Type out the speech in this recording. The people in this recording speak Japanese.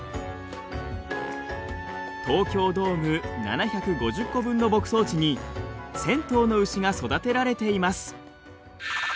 東京ドーム７５０個分の牧草地に１，０００頭の牛が育てられています。